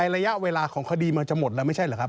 ระยะเวลาของคดีมันจะหมดแล้วไม่ใช่เหรอครับ